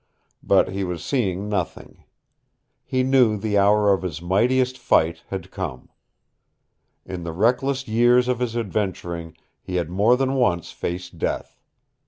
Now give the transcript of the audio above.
But he was seeing nothing. He knew the hour of his mightiest fight had come. In the reckless years of his adventuring he had more than once faced death.